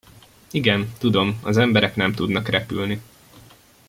Igen, tudom, az emberek nem tudnak repülni.